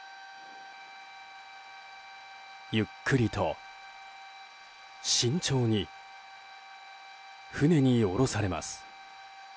ゆっくりと慎重に船に下ろされます。